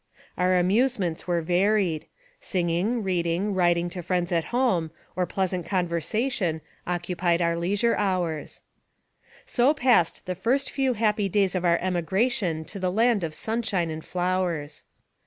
Our amusements were varied. Singing, reading, writing to friends at home, or pleasant conversation, occupied our leisure hours. Sc passed the first few happy days of our emigration tc the land of sunshine and flowers.